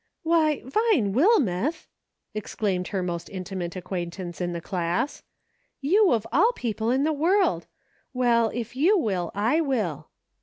" Why, Vine Wilmeth !" exclaimed her most intimate acquaintance in the class, " you, of all people in the world. Well, if you will, I will."